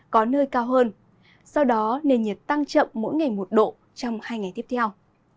có nơi cao hơn sau đó nền nhiệt tăng chậm mỗi ngày một độ trong hai ngày tiếp theo